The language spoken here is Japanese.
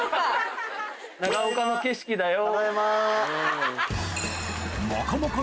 長岡の景色だよ。